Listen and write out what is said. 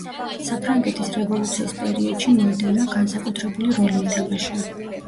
საფრანგეთის რევოლუციის პერიოდში მოედანმა განსაკუთრებული როლი ითამაშა.